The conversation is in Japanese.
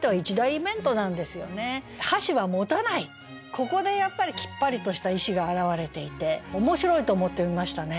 ここでやっぱりきっぱりとした意志が表れていて面白いと思って読みましたね。